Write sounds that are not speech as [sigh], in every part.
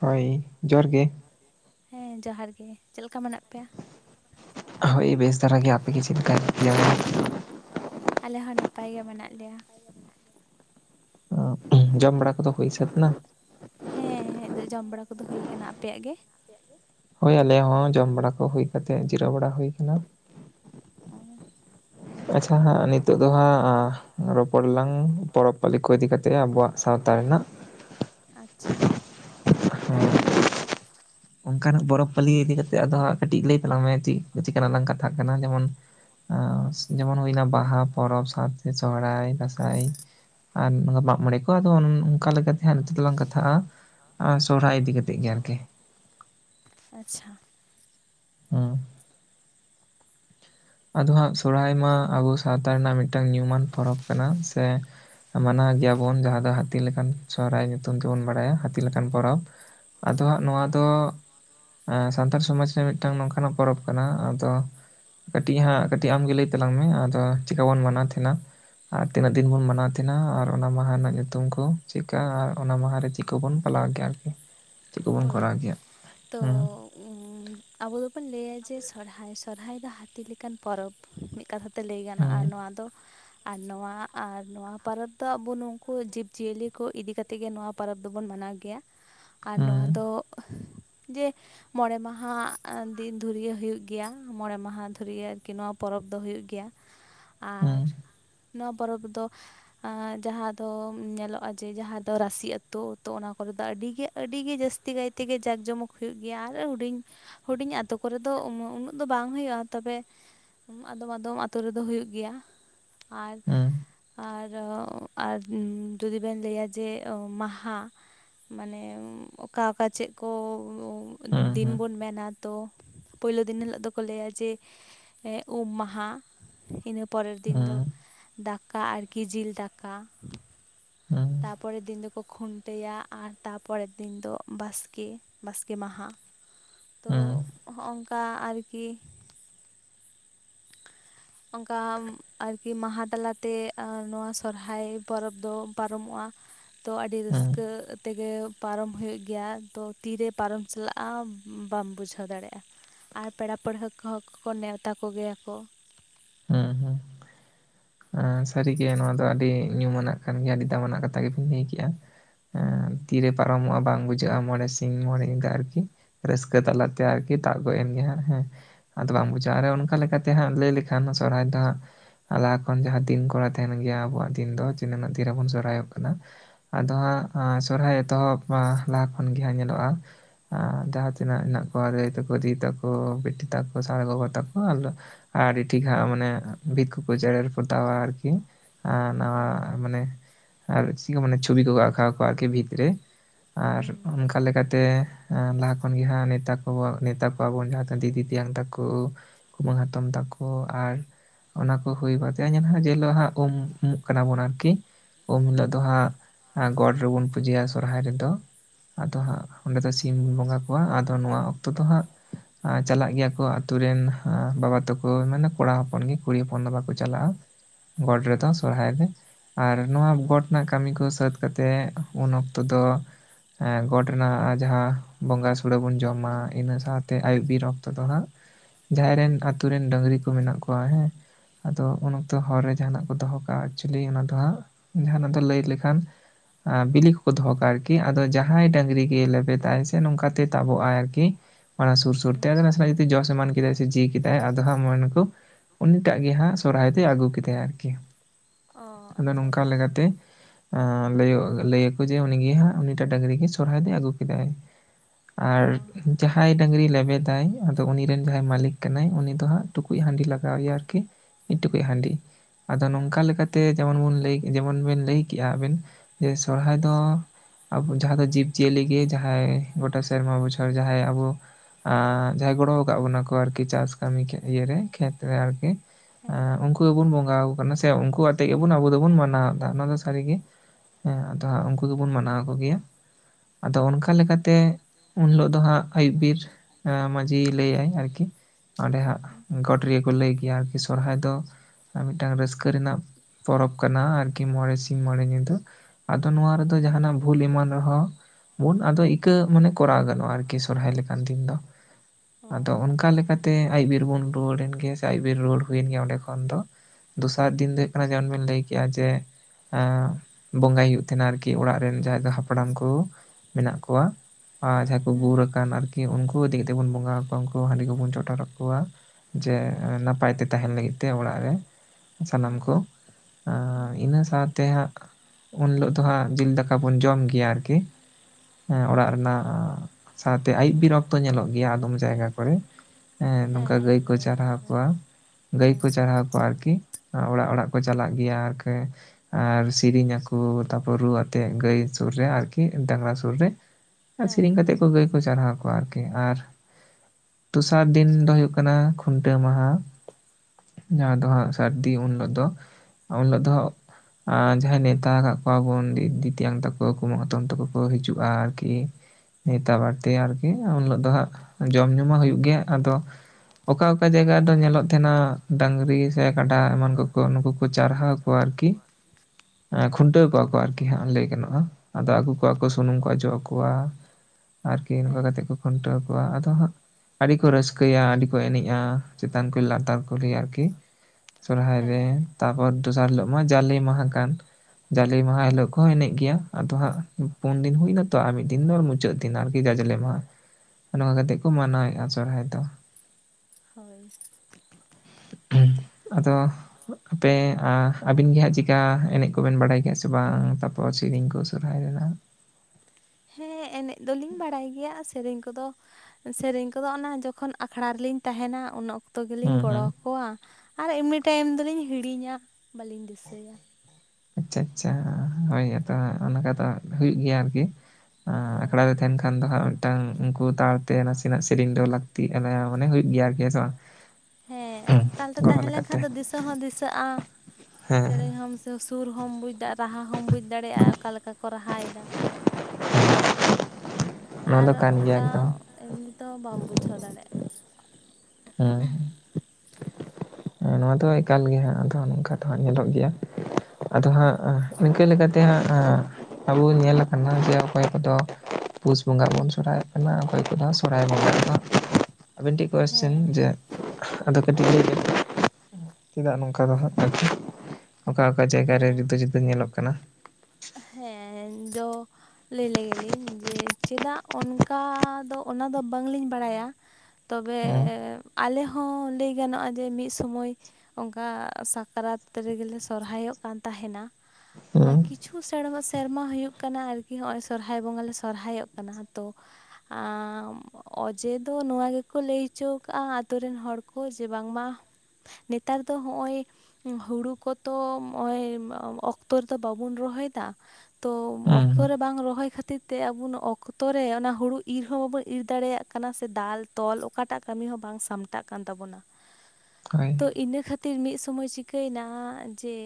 ᱦᱳᱭ ᱡᱚᱦᱟᱨ ᱜᱮ᱾ ᱦᱮᱸ ᱡᱚᱦᱟᱨ ᱜᱮ ᱪᱮᱫ ᱞᱮᱠᱟ ᱢᱮᱱᱟᱜ ᱯᱮᱭᱟ? ᱦᱳᱭ ᱵᱮᱥ ᱫᱷᱟᱨᱟ ᱜᱮ ᱟᱯᱮ ᱜᱮ ᱪᱮᱫ ᱞᱮᱠᱟ? ᱟᱞᱮ ᱦᱚᱸ ᱱᱟᱯᱟᱭ ᱜᱮ ᱢᱮᱱᱟᱜ ᱞᱮᱭᱟ᱾ ᱡᱚᱢ ᱵᱟᱲᱟ ᱠᱚ ᱫᱚ ᱦᱳᱭᱥᱟᱹᱛ ᱱᱟ? ᱦᱮᱸ ᱡᱚᱢ ᱵᱟᱲᱟ ᱠᱚ ᱫᱚ ᱦᱩᱭ ᱠᱟᱱᱟ, ᱟᱯᱮᱭᱟᱜ ᱜᱮ? ᱦᱳᱭ ᱟᱞᱮᱭᱟᱜ ᱦᱚᱸ ᱡᱚᱢ ᱵᱟᱲᱟ ᱦᱩᱭ ᱠᱟᱛᱮᱜ ᱡᱤᱨᱟᱹᱣ ᱵᱟᱲᱟ ᱦᱩᱭ ᱠᱟᱱᱟ᱾ ᱚᱸ ᱟᱪᱪᱷᱟ ᱦᱟᱸᱜ ᱱᱤᱛᱳᱜ ᱫᱚ ᱦᱟᱸᱜ ᱨᱚᱯᱚᱲᱞᱟᱝ ᱯᱚᱨᱚᱵᱽ ᱯᱟᱹᱞᱤ ᱠᱚ ᱤᱫᱤ ᱠᱟᱛᱮᱫ ᱟᱵᱚᱣᱟᱜ ᱥᱟᱶᱛᱟ ᱨᱮᱱᱟᱜ᱾ ᱟᱪᱪᱷᱟ᱾ ᱚᱱᱠᱟᱱᱟᱜ ᱯᱚᱨᱚᱵᱽ ᱯᱟᱹᱞᱤ ᱤᱫᱤ ᱠᱟᱛᱮᱫ ᱟᱫᱚ ᱦᱟᱸᱜ ᱠᱟᱹᱴᱤᱡ ᱞᱟᱹᱭ ᱛᱟᱞᱟᱝ ᱢᱮ ᱪᱮᱫ ᱪᱤᱜᱠᱟ ᱱᱟᱜ ᱞᱟᱝ ᱠᱟᱛᱷᱟ ᱠᱟᱱᱟ ᱡᱮᱢᱚᱱ ᱡᱮᱢᱚᱱ ᱦᱩᱭᱱᱟ ᱵᱟᱦᱟ ᱯᱚᱨᱚᱵᱽ ᱥᱟᱶᱛᱮ ᱥᱚᱨᱦᱟᱭ, ᱫᱟᱸᱥᱟᱭ ᱟᱨ ᱱᱚᱝᱠᱟ ᱢᱟᱜ ᱢᱚᱬᱮ ᱠᱚ ᱟᱫᱚ ᱚᱱᱠᱟ ᱞᱮᱠᱟᱛᱮ ᱱᱤᱛᱳᱜ ᱫᱚᱞᱟᱝ ᱠᱟᱛᱷᱟᱜ-ᱟ᱾ ᱟᱨ ᱥᱚᱨᱦᱟᱭ ᱤᱫᱤ ᱠᱟᱛᱮᱫ ᱜᱮ ᱟᱨᱠᱤ᱾ ᱟᱪᱪᱷᱟ᱾ ᱩᱸ ᱟᱫᱚ ᱦᱟᱸᱜ ᱥᱚᱨᱦᱟᱭ ᱢᱟ ᱟᱵᱚ ᱥᱟᱶᱛᱟ ᱨᱮᱱᱟᱜ ᱢᱤᱫᱴᱟᱝ ᱧᱩᱢᱟᱱ ᱯᱚᱨᱚᱵᱽ ᱠᱟᱱᱟ ᱦᱮᱸ ᱥᱮ, ᱢᱟᱱᱟᱣ ᱜᱮᱭᱟᱵᱚᱱ ᱡᱟᱦᱟᱸ ᱫᱚ ᱦᱟᱹᱛᱤ ᱞᱮᱠᱟᱱ ᱥᱚᱦᱨᱟᱭ ᱧᱩᱛᱩᱢ ᱛᱮᱵᱚᱱ ᱵᱟᱲᱟᱭᱟ ᱦᱟᱛᱤ ᱞᱮᱠᱟᱱ ᱯᱚᱨᱚᱵᱽ, ᱟᱫᱚ ᱦᱟᱸᱜ ᱱᱚᱣᱟ ᱦᱮᱸ ᱫᱚ ᱮᱸ ᱥᱟᱱᱛᱟᱲ ᱥᱚᱢᱟᱡᱽ ᱨᱮ ᱢᱤᱜᱴᱟᱝ ᱱᱚᱝᱠᱟᱱᱟᱜ ᱯᱚᱨᱚᱵᱽ ᱠᱟᱱᱟ ᱟᱫᱚ ᱠᱟᱹᱴᱤᱡ ᱦᱟᱸᱜ ᱠᱟᱹᱴᱤᱡ ᱟᱢᱜᱮ ᱞᱟᱹᱭ ᱛᱟᱞᱟᱝ ᱢᱮ ᱟᱫᱚ ᱪᱤᱠᱟ ᱵᱚᱱ ᱢᱟᱱᱟ ᱛᱟᱦᱮᱱᱟ? ᱟᱨ ᱛᱤᱱᱟᱹᱜ ᱫᱤᱱ ᱵᱩᱱ ᱢᱟᱱᱟᱣ ᱛᱟᱦᱮᱸᱱᱟ ᱟᱨ ᱚᱱᱟ ᱢᱟᱦᱟ ᱨᱮᱱᱟᱜ ᱧᱩᱛᱩᱢ ᱠᱚ ᱪᱮᱜᱠᱟ ᱟᱨ ᱚᱱᱟ ᱢᱟᱦᱟ ᱨᱮ ᱪᱮᱜ ᱠᱩᱵᱚᱱ ᱯᱟᱞᱟᱣ ᱟᱨᱠᱤ, ᱪᱮᱜ ᱠᱩᱵᱚᱱ ᱠᱚᱨᱟᱣ ᱜᱮᱭᱟ, ᱦᱩᱸ ᱩᱸ ᱟᱵᱚ ᱫᱚᱵᱚᱱ ᱞᱟᱹᱭᱟ ᱡᱮ ᱥᱚᱨᱦᱟᱭ, ᱥᱚᱨᱦᱟᱭ ᱫᱚ ᱦᱟᱹᱛᱤ ᱞᱮᱠᱟᱱ ᱯᱚᱨᱚᱵᱽ ᱢᱤᱜ ᱠᱟᱛᱷᱟ ᱛᱮ ᱞᱟᱹᱭ ᱜᱟᱱᱚᱜ-ᱟ ᱦᱩᱸ ᱱᱚᱣᱟ ᱫᱚ ᱟᱨ ᱱᱚᱣᱟ ᱟᱨ ᱱᱚᱣᱟ ᱯᱚᱨᱚᱵᱽ ᱫᱚ ᱟᱵᱚ ᱱᱩᱝᱠᱩ ᱡᱤᱵᱽ ᱡᱤᱭᱟᱹᱞᱤ ᱠᱚ ᱤᱫᱤ ᱠᱟᱛᱮ ᱛᱮᱜᱮ ᱱᱚᱣᱟ ᱯᱟᱨᱚᱵᱽ ᱫᱚᱵᱚᱱ ᱢᱟᱱᱟᱣ ᱜᱮᱭᱟ ᱟᱨ ᱱᱚᱣᱟ ᱦᱩᱸ ᱫᱚ ᱡᱮ ᱢᱚᱲᱮ ᱢᱟᱦᱟ ᱫᱤᱱ ᱫᱷᱩᱨᱭᱟᱹ ᱦᱩᱭᱩᱜ ᱜᱮᱭᱟ ᱢᱚᱬᱮ ᱢᱟᱦᱟ ᱫᱷᱚᱨᱭᱮ ᱟᱨᱠᱤ ᱱᱚᱣᱟ ᱯᱚᱨᱚᱵᱽ ᱫᱚ ᱦᱩᱭᱩᱜ ᱜᱮᱭᱟ, ᱟᱨ ᱦᱩᱸ ᱱᱚᱣᱟ ᱯᱚᱨᱚᱵᱽ ᱫᱚ ᱟᱸ ᱡᱟᱦᱟᱸ ᱫᱚ ᱧᱮᱞᱚᱜᱼᱟ ᱡᱮ ᱡᱟᱦᱟᱸ ᱫᱚ ᱨᱟᱥᱤ ᱟᱛᱳ ᱛᱚ ᱚᱱᱟ ᱠᱚᱨᱮ ᱫᱚ ᱟᱹᱰᱤᱜᱮ ᱟᱹᱰᱤᱜᱮ ᱡᱟᱹᱥ ᱛᱤ ᱠᱟᱭ ᱛᱮᱜᱮ ᱡᱟᱠ ᱡᱚᱢᱚᱠ ᱦᱩᱭᱩᱜ ᱜᱮᱭᱟ ᱟᱨ ᱦᱩᱰᱤᱧ ᱦᱩᱰᱤᱧ ᱟᱛᱳ ᱠᱚᱨᱮ ᱫᱚ ᱩᱱᱟᱹ ᱩᱱᱟᱹᱜ ᱫᱚ ᱵᱟᱝ ᱦᱩᱭᱩᱜᱼᱟ ᱛᱚᱵᱮ ᱦᱩᱸ ᱟᱫᱚᱢ ᱟᱫᱚᱢ ᱟᱛᱳ ᱨᱮᱫᱚ ᱦᱩᱭᱩᱜ ᱜᱮᱭᱟ ᱟᱨ ᱦᱩᱸ ᱟᱨ ᱟᱨ ᱡᱩᱫᱤ ᱵᱮᱱ ᱞᱟᱹᱭᱟ ᱡᱮ ᱢᱟᱦᱟ ᱢᱟᱱᱮ ᱚ ᱠᱟ ᱚᱠᱟ ᱪᱮᱫ ᱠᱚ ᱦᱩᱸ ᱦᱩᱸ ᱫᱤᱱ ᱵᱚᱱ ᱢᱮᱱᱟ ᱛᱚ ᱯᱳᱭᱞᱳ ᱫᱤᱱ ᱦᱤᱞᱳᱜ ᱫᱚᱠᱚ ᱞᱮᱭᱟ ᱡᱮ ᱩᱢ ᱢᱟᱦᱟ ᱾ ᱤᱱᱟᱹ ᱯᱚᱨᱮᱨ ᱫᱤᱱ ᱫᱚ ᱦᱩᱸ ᱫᱟᱠᱟ ᱟᱨᱠᱤ ᱡᱤᱞ ᱫᱟᱠᱟ ᱾ ᱩᱸ ᱾ ᱛᱟ ᱯᱚᱨᱮᱨ ᱫᱤᱱ ᱫᱚᱠᱚ ᱠᱷᱩᱱᱴᱟᱹᱭᱟ ᱟᱨ ᱛᱟᱯᱚᱨᱮᱨ ᱫᱤᱱ ᱫᱚ ᱵᱟᱥᱠᱮ ᱵᱟᱥᱠᱮ ᱢᱟᱦᱟ ᱾ ᱟᱱᱼᱚᱰᱤᱵᱮᱞ ᱛᱚ ᱦᱚᱸᱜᱼᱚᱝᱠᱟ ᱟᱨᱠᱤ ᱟᱱᱼᱚᱰᱤᱵᱮᱞ ᱚᱝᱠᱟ ᱟᱨᱠᱤ ᱢᱟᱦᱟ ᱛᱟᱞᱟᱛᱮ ᱟᱸ ᱱᱚᱣᱟ ᱥᱚᱨᱦᱟᱭ ᱯᱚᱨᱚᱵᱽ ᱫᱚ ᱯᱟᱨᱚᱢᱚᱜᱼᱟ ᱾ ᱛᱚ ᱟᱰᱤ ᱦᱩᱸ ᱨᱟᱹᱥᱠᱟᱹ ᱛᱮᱜᱮ ᱯᱟᱨᱚᱢ ᱦᱩᱭᱩᱜ ᱜᱮᱭᱟ ᱛᱚ ᱛᱤᱨᱮ ᱯᱟᱨᱚᱢ ᱪᱟᱞᱟᱜ ᱟ ᱵᱟᱢ ᱵᱩᱡᱷᱟᱹᱣ ᱫᱟᱲᱮᱜᱼᱟ! ᱟᱨ ᱯᱮᱲᱟ ᱯᱟᱹᱲᱦᱟᱹ ᱠᱚᱦᱚᱸ ᱠᱚ ᱠᱚ ᱱᱮᱣᱛᱟ ᱠᱚᱜᱮᱭᱟ ᱠᱚ ᱾ ᱟᱸ ᱥᱟᱹᱨᱤᱜᱮ ᱱᱚᱣᱟ ᱫᱚ ᱟᱰᱤ ᱧᱩᱢᱟᱱᱟᱜ ᱠᱟᱱ ᱜᱮᱭᱟ ᱟᱹᱰᱤ ᱫᱟᱢᱟᱱᱟᱜ ᱠᱟᱛᱷᱟ ᱜᱮᱵᱤᱱ ᱞᱟᱹᱭ ᱠᱮᱜᱼᱟ ᱾ ᱦᱮᱸ ᱛᱤᱨᱮ ᱯᱟᱨᱚᱢᱚᱜᱼᱟ ᱵᱟᱝ ᱵᱩᱡᱷᱟᱹᱜᱼᱟ ᱢᱚᱬᱮ ᱥᱤᱧ ᱢᱚᱬᱮ ᱧᱤᱸᱫᱟᱹ ᱟᱨᱠᱤ ᱾ ᱨᱟᱹᱥᱠᱟᱹ ᱛᱟᱞᱟᱛᱮ ᱟᱨᱠᱤ ᱛᱟᱜ ᱜᱚᱜ ᱮᱱ ᱜᱮ ᱦᱟᱸᱜ ᱦᱮᱸ ᱾ ᱟᱫᱚ ᱵᱟᱝ ᱵᱩᱡᱷᱟᱹᱜᱼᱟ ᱟᱨᱮ ᱚᱱᱠᱟ ᱞᱮᱠᱟᱛᱮ ᱦᱟᱸᱜ ᱞᱟᱹᱭ ᱞᱮᱠᱷᱟᱱ ᱥᱚᱨᱦᱟᱭ ᱫᱚ ᱦᱟᱜ ᱟᱸ ᱞᱟᱦᱟ ᱠᱷᱚᱱ ᱡᱟᱦᱟᱸ ᱫᱤᱱ ᱠᱚᱨᱟ ᱛᱟᱦᱮᱱ ᱜᱮᱭᱟ ᱟᱵᱚᱣᱟᱜ ᱫᱤᱱ ᱫᱚ ᱛᱤᱱᱟᱹᱱᱟᱹᱜ ᱫᱤᱱ ᱨᱮᱵᱚᱱ ᱥᱚᱨᱦᱟᱭᱚᱜ ᱠᱟᱱᱟ ᱾ ᱟᱫᱚ ᱦᱟᱸᱜ ᱥᱚᱨᱦᱟᱭ ᱮᱛᱚᱦᱚᱵ ᱞᱟᱦᱟ ᱠᱷᱚᱱ ᱜᱮ ᱦᱟᱸᱜ ᱧᱮᱞᱚᱜᱼᱟ ᱟ ᱡᱟᱦᱟᱸ ᱛᱤᱱᱟᱹᱜ ᱦᱮᱱᱟᱜ ᱠᱚᱣᱟ ᱫᱟᱹᱭ ᱛᱟᱠᱚ ᱫᱤᱫ ᱛᱟᱠᱚ, ᱵᱤᱴᱤ ᱛᱟᱠᱚ, ᱥᱟᱨᱟ ᱜᱚᱜᱚ ᱛᱟᱠᱚ ᱟᱨ ᱟᱨ ᱴᱷᱤᱠ ᱦᱟᱜ ᱢᱟᱱᱮ ᱵᱷᱤᱛ ᱠᱚ ᱠᱚ ᱡᱮᱨᱮᱲ ᱯᱚ ᱛᱟᱣᱟ ᱟᱨᱠᱤ ᱟᱸ ᱱᱟᱣᱟ ᱦᱳᱭ ᱢᱟᱱᱮ ᱟᱨ ᱪᱤᱠᱟ ᱢᱟᱱᱮ ᱪᱷᱚᱵᱤ ᱠᱚᱠᱚ ᱟᱠᱟᱣ ᱠᱚᱣᱟ ᱟᱨᱠᱤ ᱵᱷᱤᱛ ᱨᱮ ᱟᱨ ᱦᱩᱸ ᱚᱱ ᱠᱟ ᱞᱮᱠᱟᱛᱮ ᱮᱸ ᱞᱟᱦᱟ ᱠᱷᱚᱱᱜᱮ ᱦᱟᱸᱜ ᱱᱮᱣᱛᱟ ᱠᱚ ᱱᱮᱣᱛᱟ ᱠᱚᱣᱟᱵᱚᱱ ᱡᱟᱦᱟᱸ ᱛᱤᱱ ᱫᱤᱫᱤ ᱛᱮᱭᱟᱝ ᱛᱟᱠᱚ ᱾ ᱠᱩᱢᱟᱹᱝ ᱦᱟᱛᱚᱢ ᱛᱟᱠᱚ ᱟᱨ ᱚᱱᱟᱠᱚ ᱦᱩᱭ ᱵᱟ ᱛᱮᱦᱮᱧ ᱧᱮᱞ ᱢᱮ ᱦᱟᱜ ᱡᱮ ᱦᱤᱞᱳᱜ ᱦᱟᱸᱜ ᱩᱢ ᱩᱢᱩᱜ ᱠᱟᱱᱟ ᱵᱚᱱ ᱟᱨᱠᱤ ᱩᱢ ᱦᱤᱞᱳᱜ ᱦᱩᱸ ᱫᱚ ᱦᱟᱸᱜ ᱟ ᱜᱚᱰᱽ ᱨᱮᱵᱚᱱ ᱯᱩᱡᱟᱹᱭᱟ ᱥᱚᱨᱦᱟᱭ ᱨᱮᱫᱚ ᱾ ᱟᱫᱚ ᱦᱟᱸᱜ ᱚᱸᱰᱮ ᱫᱚ ᱥᱤᱢ ᱵᱚᱱ ᱵᱚᱸᱜᱟ ᱠᱚᱣᱟ, ᱟᱫᱚ ᱱᱚᱣᱟ ᱚᱠᱛᱚ ᱫᱚ ᱦᱟᱸᱜ ᱟᱸ ᱪᱟᱞᱟᱜ ᱜᱮᱭᱟ ᱠᱚ ᱟᱛᱩ ᱨᱮᱱ ᱟᱸ ᱵᱟᱵᱟ ᱛᱟᱠᱚ ᱢᱟᱱᱮ ᱠᱚᱲᱟ ᱦᱚᱯᱚᱱ ᱜᱮ ᱠᱩᱲᱤ ᱦᱚᱯᱚᱱ ᱫᱚ ᱵᱟᱠᱚ ᱪᱟᱞᱟᱜᱼᱟ ᱜᱚᱴ ᱨᱮᱫᱚ ᱥᱚᱨᱦᱟᱭ ᱨᱮ ᱟᱨ ᱱᱚᱣᱟ ᱦᱳᱭ ᱜᱚᱴ ᱱᱟᱜ ᱠᱟᱢᱤ ᱠᱩ ᱥᱟᱹᱛ ᱠᱟᱛᱮᱫ ᱩᱱ ᱚᱠᱛᱚ ᱫᱚ ᱮ ᱜᱚᱰ ᱨᱮᱱᱟᱜ ᱡᱟᱦᱟᱸ ᱵᱚᱸᱜᱟ ᱥᱩᱲᱟᱹ ᱵᱚᱱ ᱡᱚᱢᱟ ᱤᱱᱟᱹ ᱥᱟᱶᱛᱮ ᱟᱭᱩᱵ ᱵᱤ ᱚᱠᱛᱚ ᱫᱚ ᱦᱟᱸᱜ ᱡᱟᱦᱟᱸᱭ ᱨᱮᱱ ᱟᱛᱩ ᱨᱮᱱ ᱰᱟᱹᱝᱨᱤ ᱠᱚ ᱢᱮᱱᱟᱜ ᱠᱩᱣᱟ ᱦᱮᱸ ᱟᱫᱚ ᱩᱱ ᱚᱠᱛᱚ ᱦᱚᱨ ᱨᱮ ᱡᱟᱦᱟᱱᱟᱜ ᱠᱚ ᱫᱚᱦᱚ ᱠᱟᱜᱼᱟ ᱮᱠᱪᱩᱭᱞᱤ ᱚᱱᱟ ᱫᱚ ᱦᱟᱸᱜ ᱡᱟᱦᱟᱱᱟᱜ ᱫᱚ ᱞᱟᱹᱭ ᱞᱮᱠᱷᱟᱱ ᱟ ᱵᱤᱞᱤ ᱠᱚᱠᱚ ᱫᱚᱦᱚ ᱠᱟᱜᱼᱟ ᱟᱨᱠᱤ ᱟᱫᱚ ᱡᱟᱦᱟᱸᱭ ᱰᱟᱹᱝᱨᱤ ᱜᱤᱭ ᱞᱮᱵᱮᱫᱟᱭ ᱥᱮ ᱱᱚᱝᱠᱟᱛᱮ ᱛᱟᱵᱚᱜ ᱟᱭ ᱟᱨᱠᱤ, ᱚᱱᱟ ᱥᱩᱨ ᱥᱩᱨ ᱛᱮ ᱦᱩᱸ ᱟᱫᱚ ᱱᱟᱥᱮᱱᱟᱜ ᱡᱩᱫᱤ ᱡᱚᱥ ᱮᱢᱟᱱ ᱠᱮᱫᱟᱭ ᱡᱤ ᱠᱮᱫᱟᱭ ᱟᱫᱚ ᱦᱟᱸᱜ ᱢᱮᱱᱟ ᱠᱩ ᱩᱱᱤᱴᱟᱜ ᱜᱮ ᱦᱟᱸᱜ ᱥᱚᱨᱦᱟᱭ ᱛᱮᱭ ᱟᱜᱩ ᱠᱮᱫᱟᱭ ᱟᱨᱠᱤ ᱚ ᱾ ᱟᱫᱚ ᱟᱪᱪᱷᱟ ᱱᱚᱝᱠᱟ ᱟᱪᱪᱷᱟ ᱞᱮᱠᱟ ᱛᱮ ᱟᱸ ᱞᱟᱹᱭᱚᱜ ᱞᱟᱹᱭᱟ ᱠᱚ ᱡᱮ ᱩᱱᱤ ᱜᱮ ᱦᱟᱸᱜ ᱩᱱᱤᱴᱟᱜ ᱰᱟᱝᱨᱤ ᱜᱮ ᱥᱚᱨᱦᱟᱭ ᱫᱚᱭ ᱟᱹᱜᱩ ᱠᱮᱫᱟᱭ ᱾ ᱟᱨ ᱚ ᱡᱟᱦᱟᱸᱭ ᱰᱟᱹᱝᱨᱤ ᱞᱮᱵᱮᱫᱟᱭ ᱟᱫᱚ ᱩᱱᱤ ᱨᱮᱱ ᱡᱟᱦᱟᱸᱭ ᱢᱟᱹᱤᱠ ᱠᱟᱱᱟᱭ ᱩᱱᱤ ᱫᱚ ᱦᱟᱸᱜ ᱴᱩᱠᱩᱡ ᱦᱟᱺᱰᱤ ᱞᱟᱜᱟᱣ ᱮᱭᱟ ᱟᱨᱠᱤ। ᱢᱤᱫ ᱴᱩᱠᱩᱡ ᱦᱟᱺᱰᱤ ᱟᱫᱚ ᱚ ᱱᱚᱝᱠᱟ ᱞᱮᱠᱟ ᱛᱮ ᱡᱮᱢᱚᱱ ᱵᱩᱱ ᱞᱟᱹᱭ ᱡᱮᱢᱚᱱ ᱵᱮᱱ ᱞᱟᱹᱭ ᱠᱮᱜᱼᱟ ᱟᱵᱮᱱ ᱡᱮ ᱥᱚᱨᱦᱟᱭ ᱫᱚ ᱟᱵᱩ ᱡᱟᱦᱟᱸ ᱫᱚ ᱡᱤᱵ ᱡᱤᱭᱟᱹᱞᱤ ᱜᱮ ᱡᱟᱦᱟᱸᱭ ᱜᱚᱴᱟ ᱥᱮᱨᱢᱟ ᱵᱚᱪᱷᱚᱨ ᱡᱟᱦᱟᱸᱭ ᱟᱵᱚ ᱟ ᱡᱟᱦᱟᱸᱭ ᱜᱚᱲᱚ ᱟᱠᱟᱫ ᱵᱚᱱᱟ ᱠᱚ ᱟᱨᱠᱤ ᱪᱟᱥ ᱠᱟᱹᱢᱤ ᱤᱭᱟᱹ ᱨᱮ ᱠᱷᱮᱛ ᱨᱮ ᱟᱨᱠᱤ। ᱦᱮᱸ ᱟᱸᱻ ᱩᱱᱠᱩ ᱜᱮᱵᱩᱱ ᱵᱚᱸᱜᱟ ᱟᱠᱩ ᱠᱟᱱᱟ ᱥᱮ ᱩᱱᱠᱩ ᱟᱛᱮ ᱜᱮᱵᱩᱱ ᱟᱵᱩ ᱫᱚᱵᱩᱱ ᱢᱟᱱᱟᱣ ᱮᱫᱟ ᱚᱱᱟ ᱫᱚ ᱥᱟᱹᱨᱤ ᱜᱮ ᱦᱮᱸ ᱟᱫᱚ ᱦᱟᱸᱜ ᱩᱱᱠᱩ ᱫᱚᱵᱚᱱ ᱢᱟᱱᱟᱣ ᱠᱚ ᱜᱮᱭᱟ ᱟᱫᱚ ᱦᱩᱸ ᱚᱱᱠᱟ ᱞᱮᱠᱟᱛᱮ ᱩᱱ ᱦᱤᱞᱳᱜ ᱫᱚ ᱦᱟᱸᱜ ᱟᱹᱭᱩᱵ ᱵᱤᱨ ᱟᱸ ᱢᱟᱺᱡᱷᱤ ᱞᱟᱹᱭᱟᱭ ᱟᱨᱠᱤ ᱚᱸᱰᱮ ᱦᱟᱸᱜ ᱦᱩᱸ ᱜᱚᱴ ᱨᱮᱜᱮ ᱠᱚ ᱞᱟᱹᱭ ᱜᱮᱭᱟ ᱟᱨ ᱥᱚᱨᱦᱟᱭ ᱫᱚ ᱟ ᱢᱤᱫᱴᱟᱝ ᱨᱟᱹᱥᱠᱟᱹ ᱨᱮᱱᱟᱜ ᱯᱚᱨᱚᱵᱽ ᱠᱟᱱᱟ ᱟᱨᱠᱤ ᱢᱚᱬᱮ ᱥᱤᱧ ᱢᱚᱬᱮ ᱧᱤᱫᱟᱹ। ᱟᱫᱚ ᱱᱚᱣᱟ ᱨᱮᱫᱚ ᱦᱩᱸ ᱡᱟᱦᱱᱟᱜ ᱵᱷᱩᱞ ᱮᱢᱟᱱ ᱨᱮ ᱦᱚᱸ ᱵᱩᱱ ᱟᱫᱚ ᱤᱠᱟᱹ ᱢᱟᱱᱮ ᱠᱚᱨᱟᱣ ᱜᱟᱱᱚᱜᱼᱟ ᱟᱨᱠᱤ ᱥᱚᱨᱦᱟᱭ ᱞᱮᱠᱟᱱ ᱫᱤᱱ ᱫᱚ ᱚ ᱟᱫᱚ ᱚᱱᱠᱟ ᱞᱮᱠᱟᱛ ᱛᱮ ᱟᱭᱵ ᱵᱤᱨ ᱵᱩᱱ ᱨᱩᱣᱟᱹᱲ ᱮᱱ ᱜᱮ ᱥᱮ ᱟᱭᱵ ᱵᱤᱨ ᱨᱩᱣᱟᱹᱲ ᱦᱩᱭᱮᱱ ᱜᱮᱭᱟ ᱚᱸᱰᱮ ᱠᱷᱚᱱ ᱫᱚ ᱫᱚᱥᱟᱨ ᱫᱤᱱ ᱫᱚ ᱦᱩᱭᱩᱜ ᱠᱟᱱᱟ ᱡᱮᱢᱚᱱ ᱵᱮᱱ ᱞᱟᱹᱭ ᱠᱮᱭᱟ ᱡᱮ, ᱮᱸ ᱵᱚᱸᱜᱟᱭ ᱦᱩᱭᱩᱜ ᱛᱟᱦᱮᱱᱟ ᱟᱨᱠᱤ ᱚᱲᱟᱜ ᱨᱮᱱ ᱡᱟᱦᱟᱸᱭ ᱫᱚ ᱦᱟᱯᱲᱟᱢ ᱠᱚ ᱢᱮᱱᱟᱜ ᱠᱚᱣᱟ ᱟᱨ ᱡᱟᱦᱟᱸᱭ ᱠᱚ ᱦᱩᱸ ᱜᱩᱨ ᱦᱩᱸ ᱟᱠᱟᱱ ᱟᱨᱠᱤ ᱩᱱᱠᱩ ᱤᱫᱤ ᱠᱟᱛᱮᱫ ᱵᱚᱱ ᱵᱚᱸᱜᱟ ᱟᱠᱩᱣᱟ ᱩᱱᱠᱩ ᱦᱟᱺᱰᱤ ᱠᱚᱵᱚᱱ ᱪᱚᱴᱟᱨ ᱟᱠᱚᱣᱟ ᱡᱮ ᱱᱟᱯᱟᱭ ᱛᱮ ᱛᱟᱦᱮᱱ ᱞᱟᱹᱜᱤᱫ ᱛᱮ ᱚᱲᱟᱜ ᱨᱮ। ᱥᱟᱱᱟᱢ ᱠᱚ ᱦᱩᱸ ᱟᱸᱻ ᱦᱩᱸ ᱤᱱᱟᱹ ᱥᱟᱶᱛᱮ ᱦᱟᱸᱜ ᱩᱱ ᱦᱤᱞᱳᱜ ᱫᱚ ᱦᱟᱸᱜ ᱡᱤᱞ ᱫᱟᱠᱟ ᱵᱚᱱ ᱡᱚᱢ ᱜᱮᱭᱟ ᱟᱨᱠᱤ ᱮᱸ ᱦᱮᱸ ᱚᱲᱟᱜ ᱨᱮᱱᱟᱜ ᱟᱸᱻ ᱥᱟᱶᱛᱮ ᱟᱭᱩᱵ ᱵᱤᱨ ᱚᱠᱛᱚ ᱧᱮᱞᱚᱜ ᱜᱮᱭᱟ ᱟᱫᱚᱢ ᱡᱟᱭᱜᱟ ᱠᱚᱨᱮ ᱮᱸ ᱦᱮᱸ ᱱᱚᱝᱠᱟ ᱜᱟᱹᱭ ᱟᱹᱭᱩᱵ ᱠᱚ ᱵᱮᱲᱟ ᱚᱠᱛᱚ ᱪᱟᱨᱦᱟᱣ ᱫᱚ ᱠᱚᱣᱟ, ᱜᱟᱹᱭ ᱠᱚ ᱦᱩᱸ ᱪᱟᱨᱦᱟᱣ ᱠᱚᱣᱟ ᱟᱨᱠᱤ ᱚᱲᱟᱜ ᱚᱲᱟᱜ ᱠᱚ ᱪᱟᱞᱟᱜ ᱜᱤᱭᱟ ᱟᱨᱠᱤ ᱟᱨ ᱥᱤᱨᱮᱧ ᱟᱠᱚ ᱛᱟᱨᱯᱚᱨ ᱨᱩ ᱟᱛᱮᱫ ᱜᱟᱹᱭ ᱥᱩᱨ ᱨᱮ ᱟᱨᱠᱤ ᱰᱟᱝᱨᱟ ᱥᱩᱨ ᱨᱮ, ᱟᱨ ᱦᱮᱸ ᱥᱤᱨᱤᱧ ᱠᱟᱛᱮᱫ ᱠᱚ ᱜᱟᱹᱭ ᱠᱚ ᱪᱟᱨᱦᱟᱣ ᱠᱩᱣᱟ ᱟᱨᱠᱤ। ᱟᱨ ᱫᱚᱥᱟᱨ ᱫᱤᱱ ᱫᱚ ᱦᱩᱭᱩᱜ ᱠᱟᱱᱟ ᱠᱷᱩᱱᱴᱟᱹᱣ ᱢᱟᱦᱟᱸ ᱡᱟᱦᱟᱸ ᱫᱚ ᱦᱟᱸᱜ ᱥᱟᱹᱨᱫᱤ ᱩᱱ ᱦᱤᱞᱳᱜ ᱫᱚ ᱩᱱ ᱦᱩᱞᱳᱜ ᱫᱚ ᱟ ᱡᱟᱦᱟᱸᱭ ᱱᱮᱣᱛᱟ ᱟᱠᱟᱫ ᱠᱩᱣᱟᱵᱚᱱ ᱫᱤᱫᱤ ᱛᱮᱭᱟᱝ ᱛᱟᱠᱚ ᱠᱩᱢᱩᱝ ᱦᱟᱛᱚᱢ ᱛᱟᱠᱚ ᱠᱚ ᱦᱤᱡᱩᱜᱼᱟ ᱟᱨᱠᱤ ᱱᱮᱣᱛᱟ ᱵᱟᱲᱛᱤ ᱟᱨᱠᱤ ᱩᱱ ᱦᱤᱞᱟᱹᱜ ᱫᱚ ᱦᱟᱸᱜ ᱡᱚᱢ ᱧᱩ ᱢᱟᱸ ᱦᱩᱭᱩᱜ ᱜᱮᱭᱟ ᱟᱫᱚ ᱚᱠᱟ ᱚᱠᱟ ᱡᱟᱭᱜᱟ ᱨᱮ ᱫᱚ ᱧᱮᱞᱚᱜ ᱛᱮᱱᱟᱜ ᱰᱟᱹᱝᱨᱤ ᱥᱮ ᱜᱟᱰᱟ ᱮᱢᱟᱱ ᱠᱚᱠᱚ ᱱᱩᱠᱩ ᱠᱚ ᱪᱟᱨᱦᱟᱣ ᱠᱚᱣᱟ ᱟᱨᱠᱤ ᱟ ᱠᱷᱩᱱᱴᱟᱹᱣ ᱠᱚᱣᱟ ᱠᱚ ᱟᱨᱠᱤ ᱦᱟᱸᱜ ᱞᱟᱹᱭ ᱜᱟᱱᱚᱜᱼᱟ ᱟᱫᱚ ᱟᱜᱩ ᱠᱩᱣᱟ ᱠᱚ ᱥᱩᱱᱩᱢ ᱠᱚ ᱚᱡᱚᱜ ᱟᱠᱩᱣᱟ ᱟᱨᱠᱤ ᱱᱚᱝᱠᱟ ᱦᱮᱸ ᱠᱟᱛᱮ ᱠᱚ ᱠᱷᱩᱱᱴᱟᱹᱣ ᱠᱚᱣᱟ ᱟᱫᱚ ᱦᱟᱸᱜ ᱟᱹᱰᱤ ᱠᱚ ᱨᱟᱹᱥᱠᱟᱹᱭᱟ ᱟᱹᱰᱤ ᱠᱚ ᱮᱱᱮᱡᱼᱟ ᱪᱮᱛᱟᱱ ᱠᱚ ᱞᱟ ᱛᱟᱨ ᱠᱚᱞᱦᱤ ᱟᱨᱠᱤ ᱥᱚᱨᱦᱟᱭ ᱨᱮ ᱦᱮᱸ ᱛᱟᱨᱯᱚᱨ ᱫᱚᱥᱟᱨ ᱦᱤᱞᱳᱜ ᱢᱟ ᱡᱟᱞᱮ ᱢᱟᱦᱟ ᱠᱟᱱ ᱡᱟᱞᱮ ᱢᱟᱦᱟ ᱦᱤᱞᱳᱜ ᱠᱚ ᱦᱚᱸ ᱮᱱᱮᱡ ᱜᱮᱭᱟ ᱟᱫᱚ ᱦᱟᱸᱜ ᱯᱩᱱ ᱫᱤᱱ ᱦᱩᱭ ᱱᱟ ᱛᱚ ᱟᱨ ᱢᱤᱫ ᱫᱤᱱ ᱫᱚ ᱢᱩᱪᱟᱹ ᱢᱩᱪᱟᱹᱫ ᱫᱤᱱ ᱟᱨᱠᱤ ᱡᱟᱡᱽᱞᱤ ᱢᱟᱦᱟᱸ, ᱱᱚᱝᱠᱟ ᱠᱟᱛᱮᱜ ᱠᱚ ᱢᱟᱱᱟᱣᱮᱫᱼᱟ ᱥᱚᱨᱦᱟᱭ ᱫᱚ। ᱦᱳᱭ ᱟᱫᱚ ᱟᱯᱮ ᱟᱹᱵᱤᱱ ᱜᱮ ᱦᱟᱸᱜ ᱪᱮᱠᱟ ᱮᱱᱮᱡ ᱠᱚᱵᱮᱱ ᱵᱟᱲᱟᱭ ᱜᱮᱭᱟ ᱥᱮ ᱵᱟᱝ ᱛᱟᱯ ᱠᱚ ᱥᱤᱨᱤᱧ ᱠᱚ ᱥᱚᱨᱦᱟᱭ ᱨᱮᱱᱟᱜ? ᱦᱮᱸ ᱮᱱᱮᱡ ᱫᱚᱞᱤᱧ ᱵᱟᱲᱟᱭ ᱜᱮᱭᱟ ᱟᱨ ᱥᱮᱨᱮᱧ ᱠᱚᱫᱚ ᱥᱮᱨᱮᱧ ᱠᱚᱫᱚ ᱚᱱᱟ ᱡᱚᱠᱷᱚᱱ ᱟᱠᱷᱲᱟ ᱨᱮᱞᱤᱧ ᱛᱟᱦᱮᱱᱟ ᱩᱱ ᱚᱠ ᱛᱚ ᱦᱩᱸ ᱜᱤᱞᱤᱧ ᱜᱚᱲᱚ ᱦᱩᱸ ᱟᱠᱚᱣᱟ ᱟᱨ ᱮᱢᱱᱤ ᱴᱟᱭᱤᱢ ᱫᱚᱞᱤᱧ ᱦᱤᱲᱤᱧᱟ ᱵᱟᱹᱞᱤᱧ ᱫᱤᱥᱟᱹᱭᱟ ᱾ ᱟᱪᱪᱷᱟ ᱟᱪᱪᱷᱟ ᱦᱳᱭ ᱜᱮᱛᱚ ᱦᱟᱸᱜ ᱚᱱᱠᱟ ᱫᱚ ᱦᱟᱸᱜ ᱦᱩᱭᱩᱜ ᱜᱮᱭᱟ ᱟᱨᱠᱤ ᱾ ᱟᱸ ᱟᱠᱷᱲᱟ ᱨᱮ ᱦᱮᱸ ᱛᱟᱦᱮᱱ ᱠᱷᱟᱱ ᱫᱚ ᱦᱟᱸᱜ ᱢᱮᱫᱴᱟᱝ ᱩᱱᱠᱩ ᱛᱟᱲᱛᱮ ᱱᱟᱥᱮᱱᱟᱜ ᱥᱮᱨᱮᱧ ᱫᱚ ᱞᱟᱠ ᱛᱤ ᱠᱟᱱᱟ ᱢᱟᱱᱮ ᱦᱩᱭᱩᱜ ᱜᱮᱭᱟ ᱟᱨᱠᱤ ᱦᱮᱸ ᱥᱮ ᱵᱟᱝ ᱾ ᱦᱮᱸ ᱩᱱᱠᱩ ᱛᱟᱞᱛᱮ ᱛᱟᱦᱮᱸ ᱞᱮᱱ ᱠᱷᱟᱱ ᱫᱚ ᱫᱤᱥᱟᱹ ᱦᱚᱸ ᱫᱤᱥᱟᱹᱜᱼᱟ ᱦᱮᱸ ᱥᱮᱨᱮᱧ ᱦᱚᱢ ᱥᱩᱨ ᱦᱚᱢ ᱵᱩᱡᱽ ᱫᱟᱜᱼᱟ ᱨᱟᱦᱟ ᱦᱚᱢ ᱵᱩᱡᱽ ᱫᱟᱲᱮᱜᱼᱟ ᱚᱠᱟ ᱞᱮᱠᱟ ᱠᱚ ᱨᱟᱦᱟᱭᱮᱫᱟ ᱾ ᱱᱚᱣᱟ ᱟᱨ ᱫᱚ ᱠᱟᱱ ᱜᱮᱭᱟ ᱚᱱᱠᱟ ᱮᱠᱫᱚᱢ ᱾ ᱮᱢᱱᱤ ᱛᱚ ᱵᱟᱢ ᱵᱩᱡᱷᱟᱹᱣ ᱫᱟᱲᱮᱜ ᱦᱩᱸ ᱮᱸ ᱱᱚᱣᱟ ᱫᱚ ᱮᱠᱟᱞ ᱜᱮ ᱦᱟᱸᱜ ᱟᱫᱚ ᱱᱚᱝᱠᱟ ᱫᱚ ᱦᱟᱸᱜ ᱧᱮᱞᱚᱜ ᱜᱮᱭᱟ, ᱟᱫᱚ ᱦᱟᱸᱜ ᱦᱮᱸ ᱱᱤᱝᱠᱟᱹ ᱞᱮᱠᱟ ᱛᱮ ᱦᱟᱸᱜ ᱟᱵᱳ ᱧᱮᱞ ᱠᱟᱱᱟ ᱡᱮ ᱚᱠᱚᱭ ᱠᱚᱫᱚ ᱯᱩᱥ ᱵᱚᱸᱜᱟ ᱵᱚᱱ ᱥᱚᱨᱦᱟᱭᱚᱜ ᱠᱟᱱᱟ ᱚᱠᱚᱭ ᱠᱚᱫᱚ‌ ᱦᱟᱸᱜ ᱥᱚᱨᱦᱟᱭ ᱵᱚᱸᱜᱟ [inaudible] ᱟᱵᱮᱱ ᱴᱷᱤᱡ ᱠᱚᱥᱪᱟᱱ ᱦᱮᱸ ᱡᱮ ᱟᱫᱚ ᱠᱟᱹᱴᱤᱡ ᱞᱟᱹᱭ ᱵᱮᱱ ᱪᱮᱫᱟᱜ ᱱᱚᱝᱠᱟ ᱫᱚ ᱦᱟᱸᱜ ᱟᱨᱠᱤ, ᱚᱠᱟ ᱚᱠᱟ ᱡᱟᱭᱜᱟ ᱨᱮ ᱦᱮᱸ ᱡᱩᱫᱟᱹ ᱡᱩᱫᱟᱹ ᱧᱮᱞᱚᱜ ᱠᱟᱱᱟ ᱾ ᱦᱮᱸ ᱤᱧ ᱫᱚᱼᱼ ᱞᱟᱹᱭ ᱞᱮᱜᱮᱞᱤᱧ ᱡᱮ ᱪᱮᱫᱟᱜ ᱚᱱᱠᱟ ᱫᱚ ᱚᱱᱟ ᱫᱚ ᱵᱟᱝᱞᱤᱧ ᱵᱟᱲᱟᱭᱟ ᱾ ᱛᱚᱵᱮ ᱦᱩᱸ ᱟᱞᱮ ᱦᱚᱸ ᱞᱟᱹᱭ ᱜᱟᱱᱚᱜᱼᱟ ᱡᱮ ᱢᱤᱫ ᱥᱚᱢᱚᱭ ᱚᱝᱠᱟ ᱥᱟᱠᱨᱟᱛ ᱨᱮᱜᱮ ᱞᱮ ᱥᱚᱨᱦᱟᱭᱚᱜ ᱠᱟᱱ ᱛᱟᱦᱮᱱᱟ ᱾ ᱦᱩᱸ ᱠᱤᱪᱷᱩ ᱥᱮᱲᱢᱟ ᱥᱮᱨᱢᱟ ᱦᱩᱭᱩᱜ ᱠᱟᱱᱟ ᱟᱨᱠᱤ ᱦᱚᱜᱼᱚᱭ ᱥᱚᱨᱦᱟᱭ ᱵᱚᱸᱜᱟ ᱞᱮ ᱥᱚᱨᱦᱟᱭᱚᱜ ᱠᱟᱱᱟ ᱛᱚ ᱟᱻᱢ ᱚᱡᱮ ᱫᱚ ᱱᱚᱣᱟ ᱜᱮᱠᱚ ᱞᱟᱹᱭ ᱪᱚᱣ ᱠᱟᱜᱼᱟ ᱟᱛᱩ ᱨᱮᱱ ᱦᱚᱲ ᱠᱚ ᱡᱮ ᱵᱟᱝᱢᱟ ᱱᱮᱛᱟᱨ ᱫᱚ ᱦᱚᱸᱜᱼᱚᱭ ᱦᱩᱲᱩ ᱠᱚᱛᱚ ᱱᱚᱜᱼᱚᱭ ᱚᱠᱛᱚ ᱨᱮᱫᱚ ᱵᱟᱵᱩᱱ ᱨᱚᱦᱚᱭᱫᱟ ᱛᱚ ᱦᱩᱸ ᱚᱠᱛᱚ ᱦᱩᱸ ᱨᱮ ᱵᱟᱝ ᱨᱚᱦᱚᱭ ᱠᱷᱟᱹᱛᱤᱨ ᱛᱮ ᱟᱹᱵᱩ ᱚᱠᱛᱚ ᱨᱮ ᱚᱱᱟ ᱦᱩᱲᱩ ᱤᱨ ᱦᱚᱸ ᱵᱟᱵᱚᱱ ᱤᱨ ᱫᱟᱲᱮᱭᱟᱜ ᱠᱟᱱᱟ ᱥᱮ ᱫᱟᱞ ᱛᱚᱞ ᱚᱠᱟᱴᱟᱜ ᱠᱟᱹᱢᱤ ᱦᱚᱸ ᱵᱟᱝ ᱥᱟᱢ ᱴᱟᱜ ᱠᱟᱱ ᱛᱟᱵᱚᱱᱟ ᱾ [unintelligible] ᱛᱚ ᱤᱱᱟᱹ ᱠᱷᱟᱹᱛᱤᱨ ᱢᱤᱫ ᱥᱚᱢᱚᱭ ᱪᱤᱠᱟᱹᱭ ᱱᱟ ᱡᱮ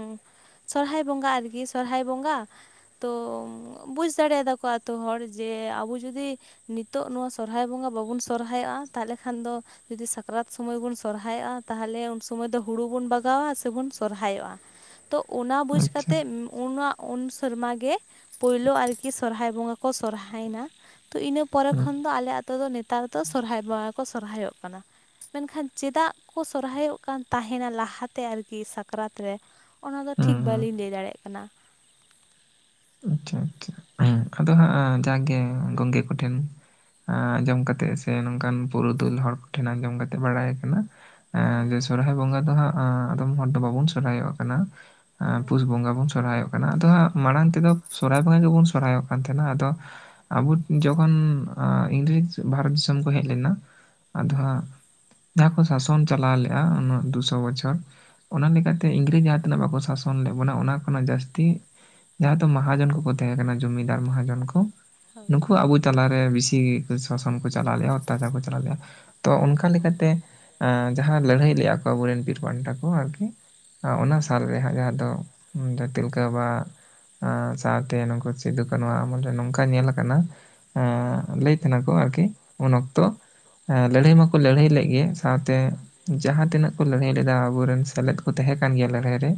ᱩᱸ ᱥᱚᱨᱦᱟᱭ ᱵᱚᱸᱜᱟ ᱟᱨᱠᱤ ᱥᱚᱨᱦᱟᱭ ᱵᱚᱸᱜᱟ ᱛᱚ ᱵᱩᱡᱽ ᱫᱟᱲᱮᱭᱟᱫᱟ ᱠᱚ ᱟᱛᱳ ᱦᱚᱲ ᱡᱮ ᱟᱵᱳ ᱡᱩᱫᱤ ᱱᱤᱛᱚᱜ ᱱᱚᱣᱟ ᱥᱚᱨᱦᱟᱭ ᱵᱚᱸᱜᱟ ᱵᱟᱵᱚᱱ ᱥᱚᱨᱦᱟᱭᱚᱜᱼᱟ ᱛᱟᱦᱞᱮ ᱠᱷᱟᱱ ᱫᱚ ᱡᱩᱫᱤ ᱥᱟᱠᱨᱟᱛ ᱥᱚᱢᱚᱭ ᱵᱚᱱ ᱥᱚᱨᱦᱟᱭᱚᱜᱼᱟ ᱛᱟᱦᱞᱮ ᱩᱱ ᱥᱩᱚᱢᱚᱭ ᱫᱚ ᱦᱩᱲᱩ ᱵᱚᱱ ᱵᱟᱜᱟᱣᱟ ᱥᱮᱵᱚᱱ ᱥᱚᱨᱦᱟᱭᱚᱜᱼᱟ ᱾ ᱛᱚ ᱚᱱᱟ ᱵᱩᱡᱽ ᱟᱪᱪᱷᱟ ᱠᱟᱛᱮᱜ ᱩᱱᱟ ᱩᱱ ᱥᱮᱨᱢᱟ ᱜᱮ ᱯᱳᱭᱞᱳ ᱟᱨᱠᱤ ᱥᱚᱨᱦᱟᱭ ᱵᱚᱸᱜᱟ ᱠᱚ ᱥᱚᱨᱦᱟᱭᱱᱟ ᱾ ᱛᱚ ᱤᱱᱟᱹ ᱯᱚᱨᱮ ᱦᱩᱸ ᱠᱷᱚᱱ ᱫᱚ ᱟᱞᱮ ᱟᱛᱳ ᱫᱚ ᱱᱮᱛᱟᱨ ᱫᱚ ᱥᱚᱨᱦᱟᱭ ᱵᱚᱸᱜᱟ ᱠᱚ ᱥᱚᱨᱦᱟᱭᱚᱜ ᱠᱟᱱᱟ ᱾ ᱢᱮᱱᱠᱷᱟᱱ ᱪᱮᱫᱟᱜ ᱠᱚ ᱥᱚᱨᱦᱟᱭᱚᱜ ᱠᱟᱱ ᱛᱟᱦᱮᱱᱟ ᱞᱟᱦᱟᱛᱮ ᱟᱨᱠᱤ ᱥᱟᱠᱨᱟᱛ ᱨᱮ ᱼᱼ ᱚᱱᱟᱫᱚ ᱦᱩᱸ ᱴᱷᱤᱠ ᱦᱩᱸ ᱵᱟᱹᱞᱤᱧ ᱞᱟᱹᱭ ᱫᱟᱲᱮᱜ ᱠᱟᱱᱟ ᱾ ᱟᱪᱪᱷᱟ ᱟᱪᱪᱷᱟ ᱟᱫᱚ ᱦᱟᱸᱜ ᱡᱟᱠ ᱜᱮ ᱜᱚᱝᱠᱮ ᱠᱚᱴᱷᱮᱱ ᱟᱸ ᱟᱸᱡᱚᱢ ᱠᱟᱛᱮᱜ ᱥᱮ ᱱᱚᱝᱠᱟᱱ ᱯᱩᱨᱩᱫᱷᱩᱞ ᱦᱚᱲ ᱠᱚᱴᱷᱮᱱ ᱟᱸᱡᱚᱢ ᱠᱟᱛᱮ ᱵᱟᱲᱟᱭ ᱠᱟᱱᱟ ᱾ ᱮᱸ ᱡᱮ ᱦᱮᱸ ᱥᱚᱨᱦᱟᱭ ᱵᱚᱸᱜᱟ ᱫᱚ ᱦᱟᱸᱜ ᱟᱫᱚᱢ ᱦᱚᱲ ᱫᱚ ᱵᱟᱵᱚᱱ ᱥᱚᱨᱦᱟᱭᱚᱜ ᱠᱟᱱᱟ ᱾ ᱦᱮᱸ ᱯᱩᱥ ᱵᱚᱸᱜᱟ ᱵᱚᱱ ᱥᱚᱨᱚᱦᱟᱭᱚᱜ ᱠᱟᱱᱟ ᱟᱫᱚ ᱦᱟᱸᱜ ᱢᱟᱲᱟᱝ ᱛᱮᱫᱚ ᱥᱚᱨᱦᱟᱭ ᱵᱚᱸᱜᱟ ᱜᱮᱵᱚᱱ ᱥᱚᱨᱦᱟᱭᱚᱜ ᱠᱟᱱ ᱛᱟᱦᱮᱱᱟ᱾ ᱟᱫᱚ ᱟᱵᱚ ᱡᱚᱠᱷᱚᱱ ᱟᱸ ᱤᱝᱨᱮᱡᱽ ᱵᱷᱟᱨᱚᱛ ᱫᱤᱥᱚᱢ ᱠᱚ ᱦᱮᱡ ᱞᱮᱱᱟ ᱟᱫᱚ ᱦᱮᱸ ᱦᱟᱸᱜ ᱡᱟᱦᱟᱸ ᱠᱚ ᱥᱟᱥᱚᱱ ᱪᱟᱞᱟᱣ ᱞᱮᱜᱼᱟ ᱩᱱᱟᱹᱜ ᱫᱩᱥᱚ ᱵᱚᱪᱷᱚᱨ᱾ ᱚᱱᱟ ᱞᱮᱠᱟᱛᱮ ᱦᱮᱸ ᱤᱝᱨᱮᱡᱽ ᱡᱟᱦᱟᱸ ᱛᱤᱱᱟᱹᱜ ᱵᱟᱠᱚ ᱥᱟᱥᱚᱱ ᱞᱮᱜ ᱵᱚᱱᱟ ᱚᱱᱟ ᱠᱷᱚᱱᱟᱜ ᱡᱟᱹᱥᱛᱤ ᱡᱟᱦᱟᱸ ᱫᱚ ᱢᱟᱦᱟᱸᱡᱚᱱ ᱠᱚᱠᱚ ᱛᱮᱦᱮᱸ ᱠᱟᱱᱟ ᱡᱚᱢᱤᱫᱟᱨ ᱢᱟᱦᱟᱸᱡᱚᱱ ᱠᱚ ᱾ ᱦᱳᱭ ᱦᱮᱸ ᱦᱮᱸ ᱦᱮᱸ ᱦᱮᱸ ᱦᱮᱸ ᱦᱮᱸ ᱦᱮᱸ ᱦᱮᱸ ᱱᱩᱠᱩ ᱟᱵᱚ ᱛᱟᱞᱟᱨᱮ ᱵᱮᱥᱤ ᱥᱟᱥᱚᱱ ᱠᱚ ᱪᱟᱞᱟᱣ ᱞᱮᱼᱟ ᱚᱛᱛᱟᱪᱟᱨ ᱪᱟᱞᱟᱣ ᱞᱮᱼᱟ ᱛᱚ ᱚᱱᱠᱟ ᱞᱮᱠᱟᱛᱮ ᱡᱟᱦᱟᱸ ᱟᱸ ᱞᱟᱹᱲᱦᱟᱹᱭ ᱞᱮᱜᱼᱟ ᱠᱚ ᱟᱵᱚᱨᱮᱱ ᱵᱤᱨ ᱯᱟᱱᱴᱟ ᱠᱚ ᱟᱨᱠᱤᱼ ᱟᱨ ᱚᱱᱟ ᱦᱮᱸ ᱥᱟᱞᱨᱮᱦᱟᱸ ᱡᱟᱦᱟᱸ ᱫᱚ ᱛᱤᱞ ᱞᱮᱠᱟ ᱵᱟᱵᱟ ᱥᱟᱶᱛᱮ ᱱᱩᱠᱩ ᱥᱤᱫᱩ ᱠᱟᱱᱩ ᱟᱢᱚᱞ ᱨᱮ ᱱᱚᱝᱠᱟ ᱧᱮᱞ ᱟᱠᱟᱱᱟ ᱦᱮ᱾ ᱞᱟᱹᱭ ᱛᱟᱦᱮᱱᱟᱠᱚ ᱟᱨᱠᱤ ᱩᱱ ᱚᱠᱛᱚ ᱞᱟᱹᱲᱦᱟᱹᱭ ᱢᱟᱠᱚ ᱞᱟᱹᱲᱦᱟᱹᱭ ᱞᱮᱫ ᱜᱮ ᱥᱟᱶᱛᱮ ᱡᱟᱦᱟᱸ ᱛᱤᱱᱟᱹᱜ ᱠᱚ ᱞᱟᱹᱲᱦᱟᱹᱭ ᱞᱮᱫᱟ ᱟᱵᱚᱨᱮᱱ ᱥᱮᱞᱮᱫ ᱠᱚ ᱛᱟᱦᱮᱸ ᱠᱟᱱ ᱜᱮᱭᱟ ᱞᱟᱹᱲᱦᱟᱹᱭ ᱨᱮ,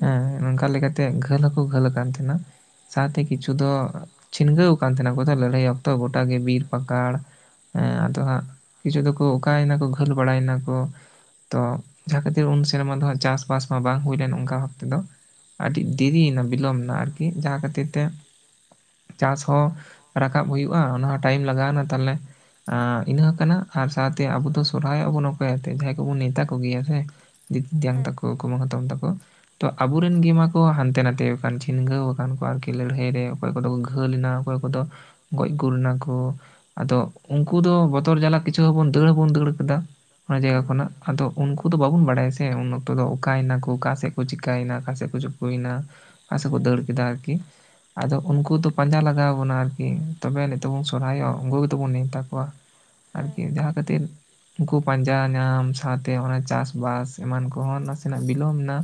ᱦᱮᱸ ᱱᱚᱝᱠᱟ ᱞᱮᱠᱟᱛᱮ ᱜᱷᱟᱹᱞ ᱦᱚᱸᱠᱚ ᱜᱷᱟᱹᱞ ᱟᱠ ᱛᱟᱦᱮᱱᱟ ᱥᱟᱶᱛᱮ ᱠᱤᱪᱷᱩ ᱫᱚ ᱪᱷᱤᱱᱜᱟᱹᱣ ᱟᱠᱟᱱ ᱛᱟᱦᱮᱱᱟ ᱠᱚ ᱞᱟᱹᱲᱦᱟᱹᱭ ᱚᱠᱛᱚ ᱜᱚᱴᱟ ᱜᱮ ᱵᱤᱨ ᱯᱟᱠᱟᱲ ᱦᱮᱸ ᱦᱩᱸ᱾ ᱟᱫᱚ ᱦᱟᱸᱜ ᱠᱤᱪᱷᱩ ᱫᱚᱠᱚ ᱚᱠᱟᱭᱮᱱᱟᱠᱚ ᱜᱷᱟᱹᱞ ᱵᱟᱲᱟᱭᱮᱱᱟᱠᱚ ᱛᱚ ᱡᱟᱦᱟᱸ ᱠᱷᱟᱹᱛᱤᱨ ᱩᱱ ᱥᱮᱨᱢᱟ ᱫᱚ ᱦᱜ ᱪᱟᱥᱼᱵᱟᱥ ᱢᱟ ᱵᱟᱝ ᱦᱩᱭ ᱞᱮᱱ ᱚᱱᱠᱟ ᱵᱷᱟᱵ ᱛᱮ ᱫᱚ, ᱟᱹᱰᱤ ᱫᱮᱨᱤᱭᱮᱱᱟ ᱵᱤᱞᱚᱢᱱᱟ ᱟᱨᱠᱤ ᱡᱟᱦᱟᱸ ᱠᱷᱟᱹᱛᱤᱨ ᱛᱮ ᱪᱟᱥ ᱦᱚᱸ ᱨᱟᱠᱟᱵ ᱦᱩᱭᱩᱜᱼᱟ ᱚᱱᱟᱦ ᱴᱟᱭᱤᱢ ᱞᱟᱜᱟᱣᱱᱟ ᱛᱟᱦᱞᱮ ᱤᱱᱟ ᱠᱟᱱᱟ ᱥᱟᱶᱛᱮ ᱟᱵᱚ ᱫᱚ ᱥᱚᱨᱦᱟᱭᱚᱜᱼᱟ ᱵᱚᱱᱠᱚ ᱡᱟᱦᱟᱸᱭ ᱠᱚᱵᱚᱱ ᱱᱮᱮᱛᱛᱟ ᱠᱚᱜᱮᱭᱟ ᱥᱮ ᱫᱤᱫᱤ ᱛᱮᱭᱟᱝ ᱛᱟᱠᱚ ᱦᱮᱸ ᱠᱩᱢᱟᱹᱝ ᱦᱟᱛᱚᱢ ᱛᱟᱠᱚ ᱛᱚ ᱟᱵᱚᱨᱮᱱ ᱜᱮᱢᱟ ᱠᱚ ᱦᱟᱱᱛᱮ ᱱᱟᱛᱮ ᱠᱟᱱ ᱪᱷᱤᱱᱜᱟᱹᱣ ᱟᱠᱟᱱ ᱠᱚ ᱟᱨᱠᱤ ᱞᱟᱹᱲᱦᱟᱹᱭ ᱨᱮ ᱚᱠᱚᱭ ᱠᱚᱫᱚ ᱠᱚ ᱜᱷᱟᱹᱞᱱᱟ ᱚᱠᱚᱭ ᱠᱚᱫᱚ ᱜᱚᱡ ᱜᱩᱨ ᱮᱱᱟ ᱠᱚ, ᱟᱫᱚ ᱩᱱᱠᱩ ᱫᱚ ᱵᱚᱛᱚᱨ ᱡᱟᱞᱟ ᱠᱤᱪᱷᱩ ᱦᱚᱵ ᱫᱟᱹᱲ ᱦᱚᱵᱚᱱ ᱫᱟᱹᱲ ᱠᱮᱫᱟ ᱚᱱᱟ ᱡᱟᱭᱜᱟ ᱠᱷᱚᱱᱟᱜ ᱟᱫᱚ ᱦᱮᱸ ᱩᱱᱠᱩ ᱫᱚ ᱵᱟᱵᱚᱱ ᱵᱟᱲᱟᱭᱟ ᱦᱮᱸ ᱩᱱ ᱚᱠᱛᱚ ᱫᱚ ᱚᱠᱟᱭᱮᱱᱟ ᱠᱚ ᱚᱠᱟᱥᱮᱫ ᱠᱚ ᱪᱤᱠᱟᱹᱭᱮᱱᱟ ᱚᱠᱟᱥᱮᱫ ᱠᱚ ᱪᱩᱠᱩᱭᱮᱱᱟ? ᱦᱥᱟ ᱦᱮᱸ ᱠᱚ ᱦᱮᱸ ᱫᱟᱹᱲ ᱠᱮᱫᱟ ᱟᱨᱠᱤ, ᱟᱫᱚ ᱩᱱᱠᱩ ᱫᱚ ᱯᱟᱸᱡᱟ ᱞᱟᱜᱟᱣ ᱵᱚᱱᱟ ᱟᱨᱠᱤ ᱛᱚᱵᱮ ᱱᱤᱛᱚᱜ ᱵᱩᱱ ᱥᱚᱨᱦᱟᱭᱚᱜ ᱩᱱᱠᱩ ᱜᱮᱛ ᱵᱚᱱ ᱱᱮᱣᱛᱟ ᱠᱚᱣᱟ᱾ ᱟᱨᱠᱤ ᱡᱟᱦᱟᱸ ᱠᱷᱟᱹᱛᱤᱨ ᱩᱱᱠᱩ ᱯᱟᱸᱡᱟ ᱧᱟᱢ ᱥᱟᱶᱛᱮ ᱚᱱᱟ ᱪᱟᱥᱵᱟᱥ, ᱮᱢᱟᱱ ᱠᱚᱦᱚᱸ ᱱᱟᱥᱮᱱᱟᱜ ᱵᱤᱞᱚᱢ ᱮᱱᱟ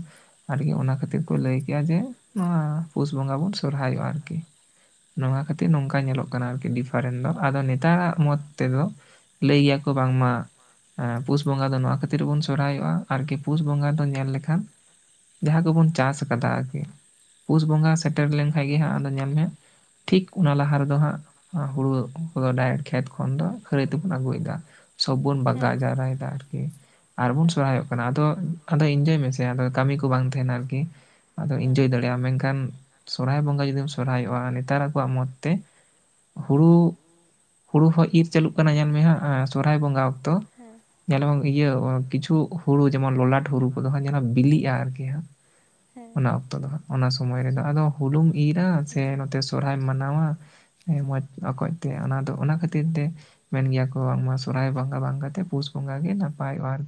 ᱟᱨᱠᱤ ᱚᱱᱟ ᱠᱷᱟᱹᱛᱤᱨ ᱠᱚ ᱞᱟᱹᱭ ᱠᱼᱟ ᱡᱮ ᱱᱚᱣᱟ ᱯᱩᱥ ᱵᱚᱸᱜᱟ ᱵᱩᱱ ᱥᱚᱨᱦᱟᱭᱚᱜᱼᱟ ᱟᱨᱠᱤ ᱱᱚᱣᱟ ᱠᱷᱟᱹᱛᱤᱨ ᱱᱚᱝᱠᱟ ᱧᱮᱞᱚᱜ ᱠᱟᱱᱟ ᱟᱨᱠᱤ ᱰᱤᱯᱷ ᱯᱷᱟᱨᱮᱱ ᱫᱚ ᱟᱫᱚ ᱱᱮᱛᱟᱨᱟᱜ ᱢᱚᱛ ᱛᱮᱫᱚ ᱞᱟᱹᱭ ᱜᱮᱭᱟᱠᱚ ᱵᱟᱝᱢᱟ ᱯᱩᱥ ᱵᱚᱸᱜᱟ ᱫᱚ ᱱᱚᱣᱟ ᱠᱷᱟᱹᱛᱤᱨᱵᱚᱱ ᱥᱚᱨᱦᱟᱭᱚᱜᱼᱟ ᱟᱨᱠᱤ ᱯᱩᱥ ᱵᱚᱸᱜᱟ ᱫᱚ ᱧᱮᱞ ᱞᱮᱠᱷᱟᱱ ᱡᱟᱦᱟᱸ ᱠᱚᱵᱚᱱ ᱪᱟᱥ ᱟᱠᱟᱫᱟ ᱟᱨᱠᱤ ᱯᱩᱥ ᱵᱚᱸᱜᱟ ᱥᱮᱴᱮᱨ ᱞᱮᱱᱠᱟᱱ ᱜᱮ ᱦᱮᱸ ᱦᱟᱸᱜ ᱟᱫᱚ ᱧᱮᱞ ᱢᱮ ᱴᱷᱤᱠ ᱞᱟᱦᱟ ᱦᱟᱸᱜ ᱦᱩᱲᱩ ᱠᱚ ᱰᱟᱭᱨᱮᱴ ᱠᱷᱮᱛ ᱠᱷᱚᱱ ᱫᱚ ᱠᱷᱟᱹᱨᱟᱹᱭ ᱛᱮᱵᱚᱱ ᱟᱹᱟᱜᱩᱭᱮᱫᱟ ᱥᱚᱵ ᱵᱚᱱ ᱵᱟᱜᱟᱣ ᱦᱮᱸ ᱡᱟᱣᱨᱟᱭᱮᱫᱟ ᱟᱨᱠᱤ ᱟᱨᱵᱩᱱ ᱦᱮᱸ ᱥᱦᱟᱭᱚᱜ ᱠᱟ ᱠᱟᱱᱟ ᱟᱫᱚᱤᱱᱡᱚᱭ ᱢᱮᱥᱮ ᱟᱫᱚ ᱠᱟᱹᱢᱤ ᱠᱚ ᱵᱟᱝ ᱛᱟᱦᱮᱱᱟ ᱟᱨᱠᱤ ᱟᱫᱚ ᱤᱱᱡᱚᱭ ᱦᱮᱸ ᱫᱟᱲᱮᱭᱟᱜ ᱢᱮᱱᱠᱷᱟᱱ ᱥᱚᱨᱦᱟᱭ ᱵᱚᱸᱜᱟ ᱡᱩᱫᱤᱢ ᱥᱚᱨᱦᱟᱭᱚᱜᱼᱟ ᱱᱮᱛᱟᱨ ᱟᱠᱚᱣᱟᱜ ᱢᱚᱛ ᱛᱮ ᱦᱩᱲᱩ ᱦᱩᱲᱩ ᱦᱚᱸ ᱤᱨᱻ ᱪᱟᱹᱞᱩᱜ ᱠᱟᱱᱟ ᱧᱮᱞ ᱢᱮ ᱦᱟᱸᱜ ᱥᱚᱨᱚᱦᱦᱟᱭ ᱵᱚᱸᱜᱟ ᱚᱠᱛᱚ ᱦᱮᱸ᱾ ᱧᱮᱞᱟᱢ ᱤᱭᱟᱹ ᱠᱤᱪᱷᱩ ᱦᱩᱲᱩ ᱡᱮᱢᱚᱱ ᱞᱚᱞᱟᱴ ᱦᱩᱲᱩ ᱠᱚᱫᱚ ᱦᱟᱸᱜ ᱡᱮᱱᱚ ᱵᱤᱞᱤᱜᱼᱟ ᱟᱨᱠᱤ ᱦᱟᱸ᱾ ᱦᱮᱸ ᱚᱱᱟ ᱚᱠᱛᱚ ᱫᱚ ᱦᱟᱜ ᱚᱱᱟ ᱥᱚᱢᱚᱭ ᱨᱮᱫᱚ ᱟᱫᱚ ᱦᱩᱲᱩᱢ ᱤᱨᱟ ᱥᱮ ᱦᱮᱸ ᱱᱚᱛᱮ ᱥᱚᱨᱦᱟᱭ ᱢᱟᱱᱟᱣᱟᱮ ᱢᱚᱸᱡᱽ ᱚᱠᱚᱡ ᱛᱮ ᱚᱱᱟ ᱫᱚ ᱚᱱᱟ ᱠᱷᱟᱹᱛᱤᱨ ᱛᱮ ᱢᱮᱱ ᱜᱮᱭᱟ ᱠᱚ ᱵᱟᱝᱢᱟ ᱥᱚᱨᱦᱟᱭ ᱵᱚᱸᱜᱟ ᱵᱟᱝ ᱠᱟᱛᱮᱫ ᱯᱩᱥ ᱵᱚᱸᱜᱟ ᱜᱮ ᱱᱟᱯᱟᱭᱚᱜᱼᱟ ᱟᱨᱠ